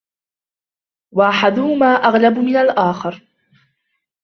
وَأَحَدُهُمَا أَغْلَبُ مِنْ الْآخَرِ